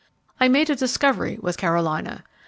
I made a discovery with Carolina.